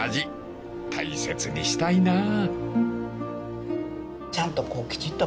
［大切にしたいなあ］